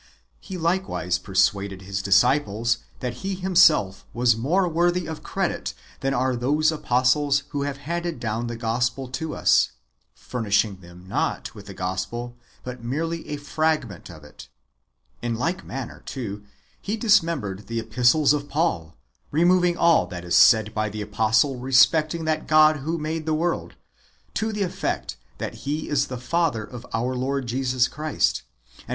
He likewise persuaded his disciples that he himself was more worthy of credit than are those apostles who have handed down the gospel to us, furnishing them not with the gospel, but merely a fragment of it. In like manner, too, he dis membered the epistles of Paul, removing all that is said by the apostle respecting that God who made the world, to the effect that He is the Father of our Lord Jesus Christ, and 1 Rev. ii.